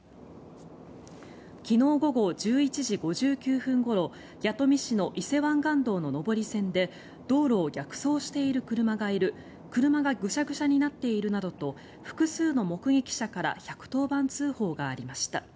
昨日午後１１時５９分ごろ弥富市の伊勢湾岸道の上り線で道路を逆走している車がいる車がぐしゃぐしゃになっているなどと複数の目撃者から１１０番通報がありました。